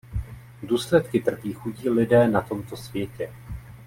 Důsledky trpí chudí lidé na tomto světě.